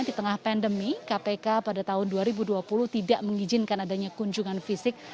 di tengah pandemi kpk pada tahun dua ribu dua puluh tidak mengizinkan adanya kunjungan fisik